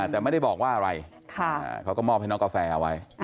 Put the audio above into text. แต่ไม่ได้บอกว่าอะไรเขาก็มอบให้น้องกาแฟเอาไว้